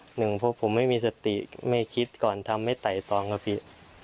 หนึ่งพวกผมไม่มีสติไม่คิดก่อนทำให้ไต่ตองครับพี่